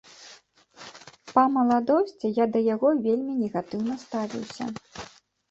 Па маладосці я да яго вельмі негатыўна ставіўся.